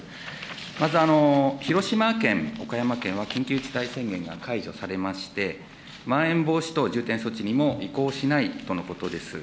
まず、広島県、岡山県は緊急事態宣言が解除されまして、まん延防止等重点措置にも移行しないとのことです。